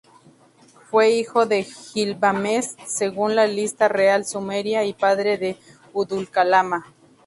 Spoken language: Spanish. Fue hijo de Gilgamesh, según la Lista Real Sumeria, y padre de Udul-Kalama.